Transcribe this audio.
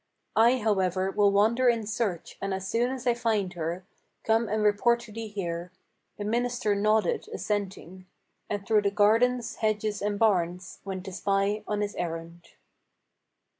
I, however, will wander in search, and as soon as I find her, Come and report to thee here." The minister nodded, assenting; And through the gardens, hedges, and barns, went the spy on his errand.